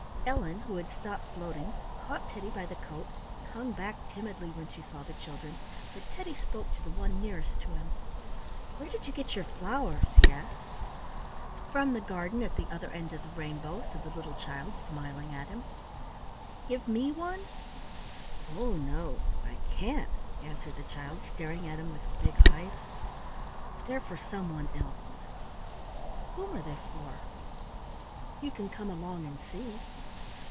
Ellen, who had stopped floating, caught Teddy by the coat and hung back timidly when she saw the children, but Teddy spoke to the one nearest to him. "Where did you get your flowers?" he asked. "From the garden at the other end of the rainbow," said the little child, smiling at him. "Give me one?" "Oh, no, I can't!" answered the child, staring at him with big eyes. "They're for someone else." "Whom are they for?" "You can come along and see."